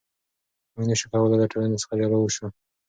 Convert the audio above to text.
موږ نشو کولای له ټولنې څخه جلا اوسو.